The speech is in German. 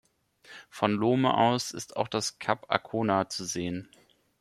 Von Lohme aus ist auch das Kap Arkona zu sehen.